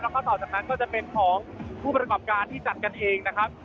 แล้วก็ต่อจากนั้นก็จะเป็นของผู้ประกอบการที่จัดกันเองนะครับ